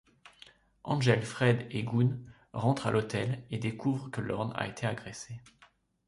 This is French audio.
Angel, Fred et Gunn rentrent à l'hôtel et découvrent que Lorne a été agressé.